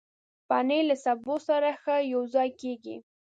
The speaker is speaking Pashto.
پنېر له سبو سره ښه یوځای کېږي.